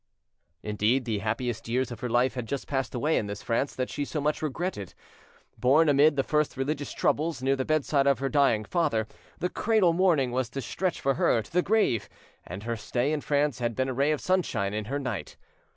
Indeed, the happiest years of her life had just passed away in this France that she so much regretted. Born amid the first religious troubles, near the bedside of her dying father, the cradle mourning was to stretch for her to the grave, and her stay in France had been a ray of sunshine in her night.